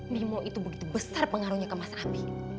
mimo itu begitu besar pengaruhnya ke mas ami